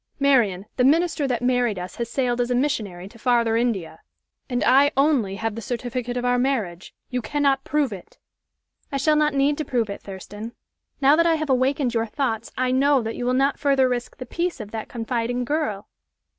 Marian, the minister that married us has sailed as a missionary to Farther India. And I only have the certificate of our marriage. You cannot prove it." "I shall not need to prove it, Thurston. Now that I have awakened your thoughts, I know that you will not further risk the peace of that confiding girl.